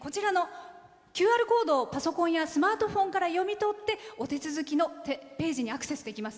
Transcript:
ＱＲコードをパソコンやスマートフォンから読み取ってお手続きのページにアクセスできます。